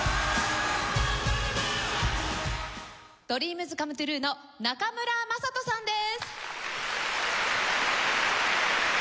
ＤＲＥＡＭＳＣＯＭＥＴＲＵＥの中村正人さんです。